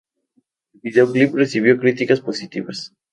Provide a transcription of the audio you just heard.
El video clip recibió críticas positivas.